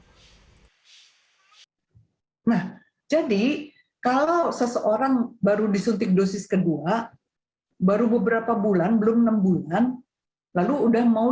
hai jadi kalau seseorang baru disuntik dosis kedua baru beberapa bulan belum enam bulan lalu udah mau